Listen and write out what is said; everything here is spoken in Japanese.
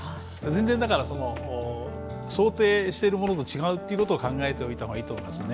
だから想定しているものと違うということを考えておいた方がいいですね。